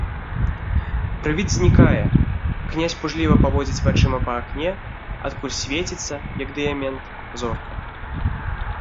Прывід знікае, князь пужліва паводзіць вачыма па акне, адкуль свеціцца, як дыямент, зорка.